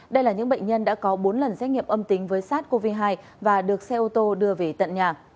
đây là những bệnh nhân đã có bốn lần xét nghiệm âm tính với sars cov hai và được xe ô tô đưa về tận nhà